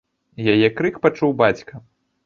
Яе крык пачуў бацька.